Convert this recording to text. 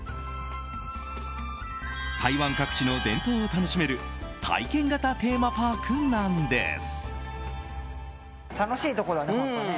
台湾各地の伝統を楽しめる体験型テーマパークなんです。